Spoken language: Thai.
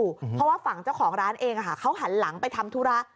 เพราะว่าฝั่งเจ้าของร้านเองเขาหันหลังไปทำธุระ